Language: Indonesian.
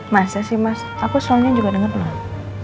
masa sih mas aku soalnya juga denger lah